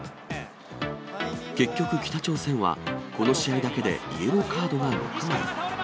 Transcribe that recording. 結局、北朝鮮は、この試合だけでイエローカードが６枚。